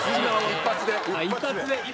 一発で。